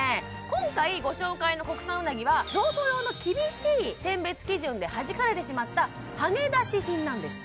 今回ご紹介の国産うなぎは贈答用の厳しい選別基準ではじかれてしまったはねだし品なんです